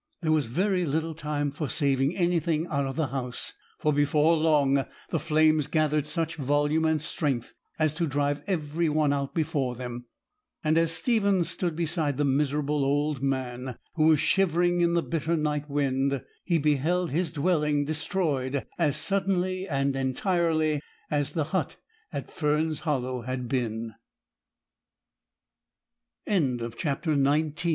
There was very little time for saving anything out of the house, for before long the flames gathered such volume and strength as to drive every one out before them; and as Stephen stood beside the miserable old man, who was shivering in the bitter night wind, he beheld his dwelling destroyed as suddenly and entirely as the hut at Fern's Hollow had been. CHAPTER XX. STEPHEN'S TES